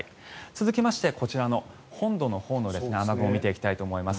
続きまして、本土のほうの雨雲を見ていきたいと思います。